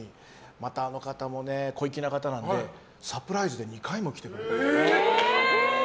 またあの方も小粋な方なのでサプライズで２回も来てくれて。